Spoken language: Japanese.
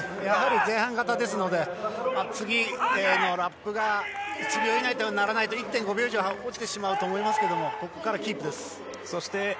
やはり前半型ですので次のラップが１秒以内とならないと１．５秒落ちてしまうと思いますけれどもここからキープです。